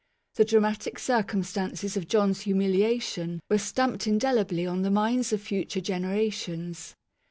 The dramatic circumstances of John's humiliation were stamped indelibly on the minds of future generations.